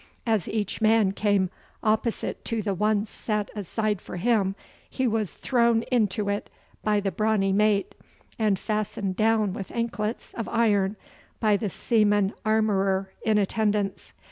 As each man came opposite to the one set aside for him he was thrown into it by the brawny mate, and fastened down with anklets of iron by the seaman armourer in attendance.